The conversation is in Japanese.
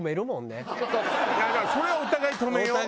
だからそれはお互い止めよう。